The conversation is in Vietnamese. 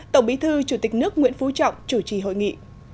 tổng bí thư chủ tịch nước nguyễn phú trọng chủ trì hội nghị